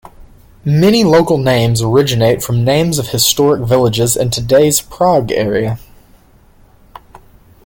Many local names originate from names of historic villages in today's Prague area.